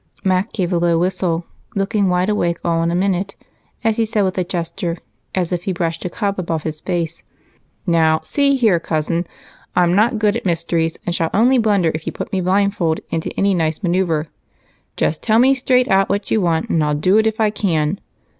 Mac gave a low whistle, looking wide awake all in a minute as he said with a gesture, as if he brushed a cobweb off his face: "Now, see here, Cousin, I'm not good at mysteries and shall only blunder if you put me blindfold into any nice maneuver. Just tell me straight out what you want and I'll do it if I can.